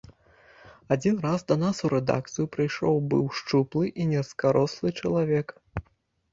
Адзін раз да нас у рэдакцыю прыйшоў быў шчуплы і нізкарослы чалавек.